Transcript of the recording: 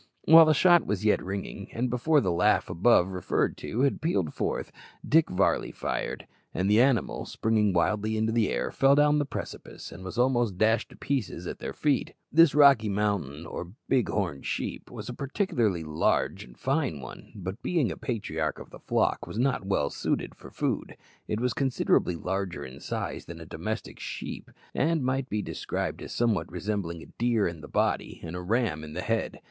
While the shot was yet ringing, and before the laugh above referred to had pealed forth, Dick Varley fired, and the animal, springing wildly into the air, fell down the precipice, and was almost dashed to pieces at their feet. This Rocky Mountain or big horned sheep was a particularly large and fine one, but being a patriarch of the flock was not well suited for food. It was considerably larger in size than the domestic sheep, and might be described as somewhat resembling a deer in the body and a ram in the head.